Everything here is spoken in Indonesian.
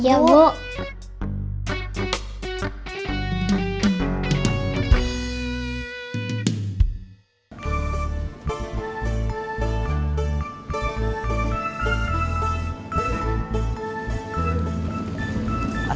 ya sudah kita kembali